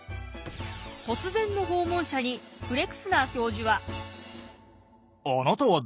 突然の訪問者にフレクスナー教授は。